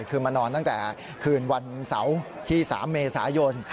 คือมานอนตั้งแต่คืนวันเสาร์ที่๓เมษายน